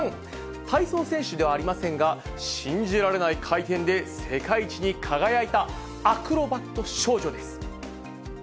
体操選手ではありませんが、信じられない回転で、世界一に輝いたアクロバット少女です。